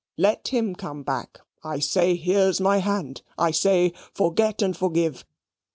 Let him come back. I say, here's my hand. I say, forget and forgive.